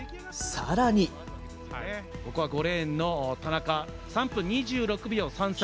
ここは５レーンの田中、３分２６秒３３。